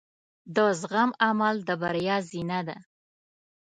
د زغم عمل د بریا زینه ده.